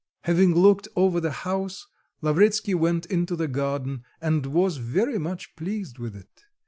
Having looked over the house, Lavretsky went into the garden and was very much pleased with it.